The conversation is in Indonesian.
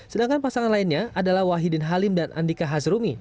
sedangkan pasangan lainnya adalah wahidin halim dan andika hazrumi